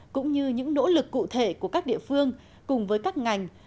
cũng như những nỗ lực cụ thể của các địa phương cùng với các ngành